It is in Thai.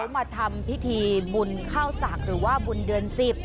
เขามาทำพิธีบุญข้าวสากหรือว่าบุญเดือน๑๐